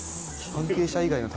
「関係者以外の